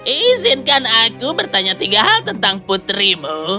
izinkan aku bertanya tiga hal tentang putrimu